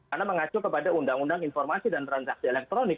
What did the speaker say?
karena mengacu kepada undang undang informasi dan transaksi elektronik